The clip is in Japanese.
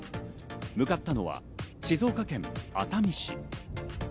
向かったのは静岡県熱海市。